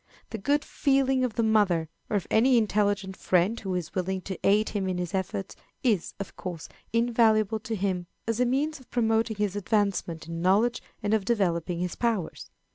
The good feeling of the mother, or of any intelligent friend who is willing to aid him in his efforts, is, of course, invaluable to him as a means of promoting his advancement in knowledge and of developing his powers.